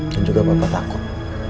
dan juga papah takut